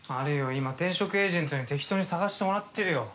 今転職エージェントに適当に探してもらってるよ。